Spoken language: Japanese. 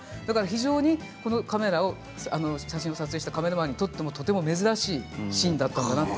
非常に写真撮影したカメラマンにとっても珍しいシーンだったんだな